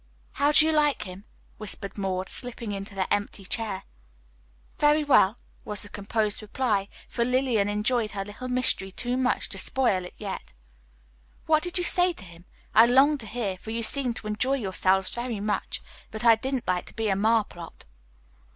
"How do you like him?" whispered Maud, slipping into the empty chair. "Very well," was the composed reply; for Lillian enjoyed her little mystery too much to spoil it yet. "What did you say to him? I longed to hear, for you seemed to enjoy yourselves very much, but I didn't like to be a marplot."